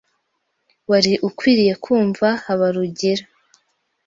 Wari ukwiye kumva Habarugira.